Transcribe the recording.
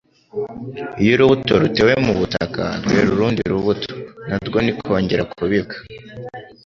Iyo urubuto rutewe mu butaka rwera urundi rubuto na rwo nikongera kubibwa.